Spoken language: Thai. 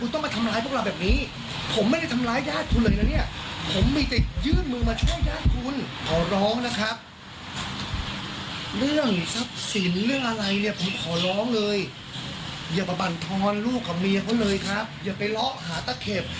ใจใจครับอย่าไปเลาะหาตะเข็บ